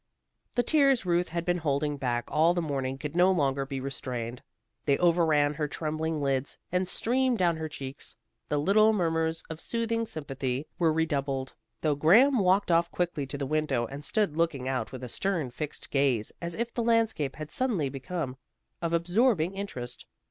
The tears Ruth had been holding back all the morning could no longer be restrained. They overran her trembling lids, and streamed down her cheeks. The little murmurs of soothing sympathy were redoubled, though Graham walked off quickly to the window and stood looking out with a stern, fixed gaze, as if the landscape had suddenly become of absorbing interest.